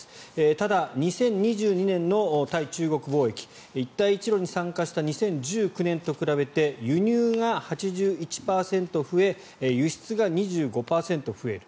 ただ、２０２２年の対中貿易一帯一路に参加した２０１９年と比べて輸入が８１％増え輸出が２５％増える。